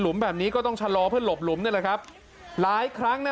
แบบนี้ก็ต้องชะลอเพื่อหลบหลุมนี่แหละครับหลายครั้งนะ